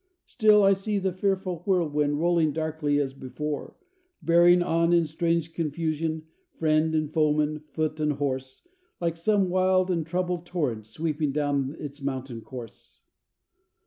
"Still I see the fearful whirlwind rolling darkly as before, Bearing on in strange confusion, friend and foeman, foot and horse, Like some wild and troubled torrent sweeping down its mountain course."